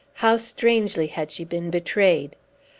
How strangely had she been betrayed!